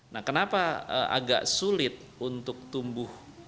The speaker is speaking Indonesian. nah kenapa agak sulit untuk tumbuh